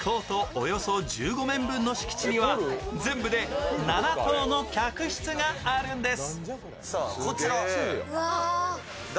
およそ１５面分の敷地には、全部で７棟の客室があるんです。